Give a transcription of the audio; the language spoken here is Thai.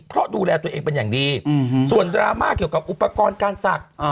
เพราะดูแลตัวเองเป็นอย่างดีส่วนดราม่าเกี่ยวกับอุปกรณ์การศักดิ์